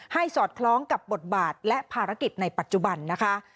สอดคล้องกับบทบาทและภารกิจในปัจจุบันนะคะ